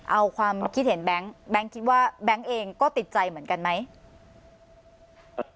เอาความคิดเห็นแบงค์แบงค์คิดว่าแบงค์เองก็ติดใจเหมือนกันไหม